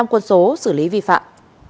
một trăm linh quân số xử lý vi phạm